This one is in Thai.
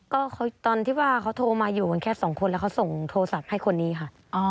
ก็ตอนที่ว่าเขาโทรมาอยู่กันแค่สองคนแล้วเขาส่งโทรศัพท์ให้คนนี้ค่ะ